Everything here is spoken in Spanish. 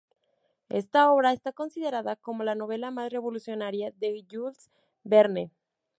Esta obra está considerada como la novela más revolucionaria de Jules Verne.